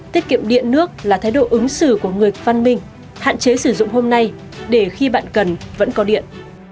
tiết kiệm điện nước là thái độ ứng xử của người văn minh hạn chế sử dụng hôm nay để khi bạn cần vẫn có điện